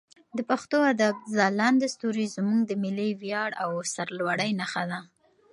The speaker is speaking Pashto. د پښتو ادب ځلانده ستوري زموږ د ملي ویاړ او سرلوړي نښه ده.